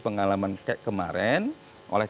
pengalaman kemarin oleh